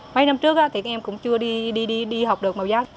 mấy năm trước thì các em cũng chưa đi học được màu sắc